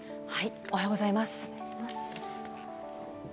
おはようございます。